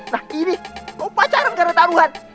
nah ini kau pacaran karena taruhan